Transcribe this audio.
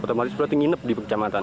otomatis berarti menginap di pekecamatan